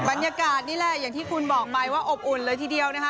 บรรยากาศนี่แหละอย่างที่คุณบอกไปว่าอบอุ่นเลยทีเดียวนะคะ